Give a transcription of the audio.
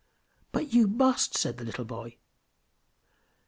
"But you must!" said the little boy.